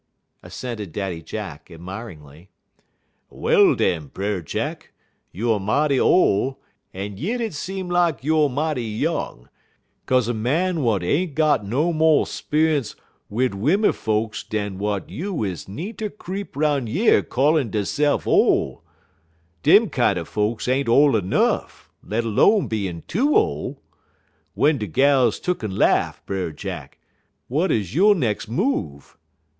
assented Daddy Jack, admiringly. "Well, den, Brer Jack, youer mighty ole, en yit hit seem lak youer mighty young; kaze a man w'at ain't got no mo' speunce wid wimmen folks dan w'at you is neenter creep 'roun' yer callin' deyse'f ole. Dem kinder folks ain't ole nuff, let 'lone bein' too ole. W'en de gal tuck'n laff, Brer Jack, w'at 'uz yo' nex' move?"